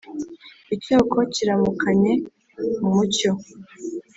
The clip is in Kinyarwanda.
Icyoko kiramukanye umucyo